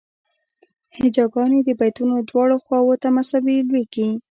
هجاګانې د بیتونو دواړو خواوو ته مساوي لویږي.